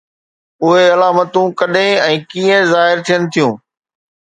اهي علامتون ڪڏهن ۽ ڪيئن ظاهر ٿين ٿيون؟